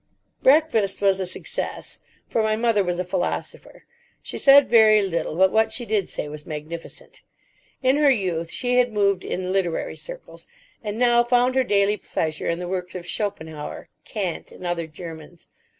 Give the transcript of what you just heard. Breakfast was a success, for my mother was a philosopher. She said very little, but what she did say was magnificent. In her youth she had moved in literary circles, and now found her daily pleasure in the works of Schopenhauer, Kant, and other Germans.